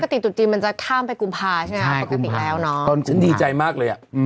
ปกติดูจีนมันจะข้ามไปกุมภาใช่ไหมตอนฉันดีใจมากเลย